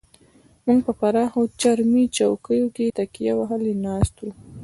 موږ په پراخو چرمي چوکیو کې تکیه وهلې ناست وو.